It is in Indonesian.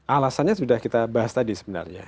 alasannya sudah kita bahas tadi sebenarnya